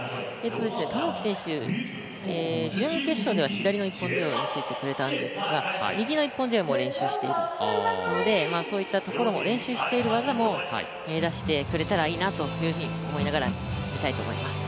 玉置選手、準決勝では左の一本背負いを見せてくれたんですが右の一本背負いも練習しているので練習している技も出してくれるといいなと思いながら見たいと思います。